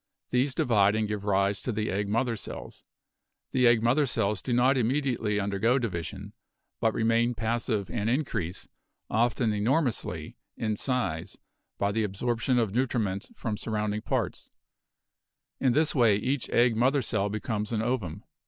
These divide and give rise to the egg mother cells. The egg mother cells do not immediately undergo division, but remain passive and increase, often enor mously, in size, by the absorption of nutriment from sur rounding parts; in this way each egg mother cell becomes an ovum.